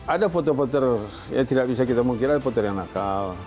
ada voter voter yang tidak bisa kita mengkira voter yang nakal